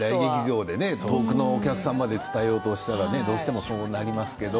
遠くのお客さんまで伝えようと思ったらどうしてもそうなりますよね。